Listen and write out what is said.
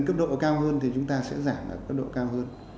cấp độ cao hơn thì chúng ta sẽ giảm ở cấp độ cao hơn